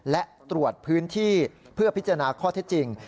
และตรวจพื้นที่เพื่อพิจารณาข้อเท็จจริง